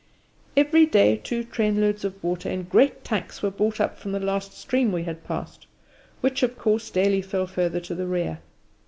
Every day two trainloads of water in great tanks were brought up from the last stream we had passed, which, of course, daily fell further to the rear.